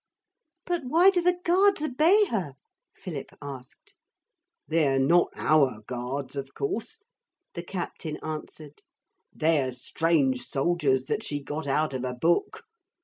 'But why do the guards obey her?' Philip asked. 'They're not our guards, of course,' the captain answered. 'They're strange soldiers that she got out of a book.